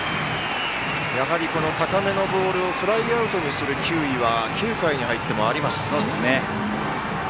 高めのボールをフライアウトにする球威は９回に入ってもあります。